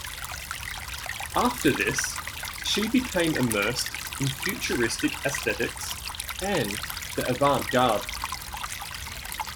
After this, she became immersed in Futuristic aesthetics and the avant-garde.